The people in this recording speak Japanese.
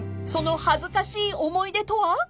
［その恥ずかしい思い出とは？］